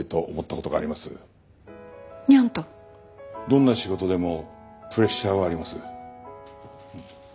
どんな仕事でもプレッシャーはあります。